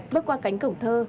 bước qua cánh cổng thơ